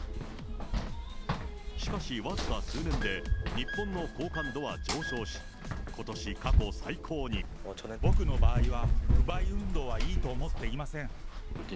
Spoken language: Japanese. しかし、わずか数年で日本の好感度は上昇し、僕の場合は、不買運動はいいと思っていません。